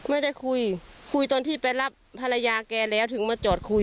ไม่ได้คุยคุยตอนที่ไปรับภรรยาแกแล้วถึงมาจอดคุย